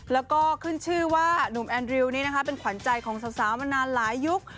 แล้วก็ขึ้นชื่อว่านุ่มแอนดริวนี่นะคะเป็นขวัญใจของสาวมานานหลายยุค